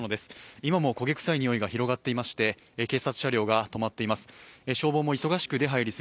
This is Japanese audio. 今も焦げ臭いにおいが広がっていて警察車両が止まっています。